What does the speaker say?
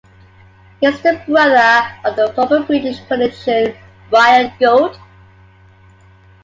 He is the brother of the former British politician Bryan Gould.